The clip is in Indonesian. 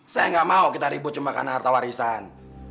saya nggak mau kita ribut cuma karena harta warisan